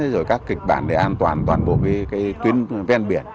rồi các kịch bản để an toàn toàn bộ tuyến ven biển